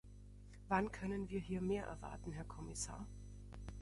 Wann können wir hier mehr erwarten, Herr Kommissar?